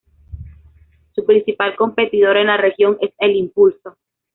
Su principal competidor en la región es El Impulso.